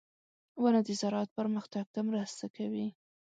• ونه د زراعت پرمختګ ته مرسته کوي.